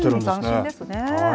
斬新ですね。